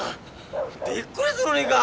びっくりするにか。